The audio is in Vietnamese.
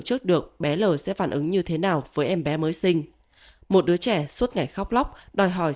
chốt được bé l sẽ phản ứng như thế nào với em bé mới sinh một đứa trẻ suốt ngày khóc lóc đòi hỏi